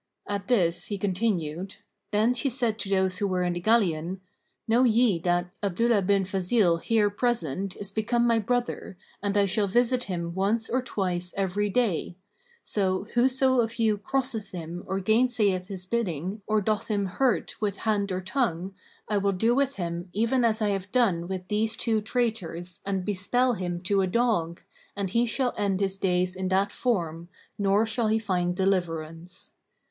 At this he continued, "Then she said to those who were in the galleon, 'Know ye that Abdullah bin Fazil here present is become my brother and I shall visit him once or twice every day: so, whoso of you crosseth him or gainsayeth his bidding or doth him hurt with hand or tongue, I will do with him even as I have done with these two traitors and bespell him to a dog, and he shall end his days in that form, nor shall he find deliverance.'